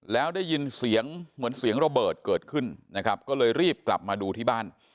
แล้วได้ยินเสียงเหมือนเสียงระเบิดเกิดขึ้นนะครับก็เลยรีบกลับมาดูที่บ้าน